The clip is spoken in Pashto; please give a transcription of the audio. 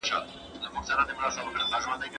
فارمسي پوهنځۍ سمدلاسه نه تطبیقیږي.